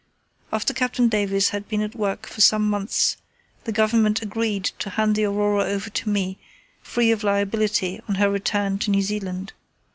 After Captain Davis had been at work for some months the Government agreed to hand the Aurora over to me free of liability on her return to New Zealand.